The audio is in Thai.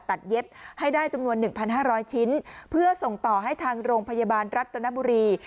เย็บให้ได้จำนวน๑๕๐๐ชิ้นเพื่อส่งต่อให้ทางโรงพยาบาลรัฐนบุรี